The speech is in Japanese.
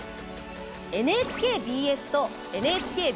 ＮＨＫＢＳとＮＨＫＢＳ